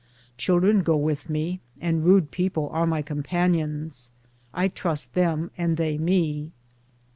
Children go with me, and rude people are my com panions. I trust them and they me.